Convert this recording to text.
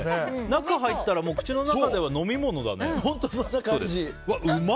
中に入ったら口の中では飲み物だね。